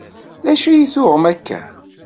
D acu i d-tuɣem akka?